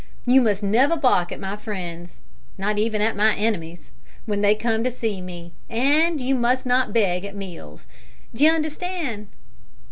You must never bark at my friends not even at my enemies when they come to see me, and you must not beg at meals. D'you understand?"